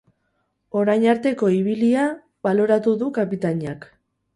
Orain arteko ibilia baloratu du kapitainak.